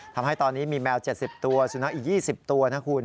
ทำให้ตอนนี้มีแมว๗๐ตัวสุนัขอีก๒๐ตัวนะคุณ